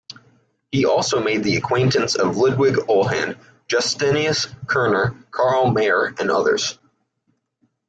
He also made the acquaintance of Ludwig Uhland, Justinus Kerner, Karl Mayer and others.